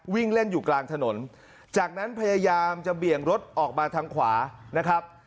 วิ่งเล่นอยู่กลางถนนจากนั้นพยายามจะเบี่ยงรถออกมาทางขวานะครับ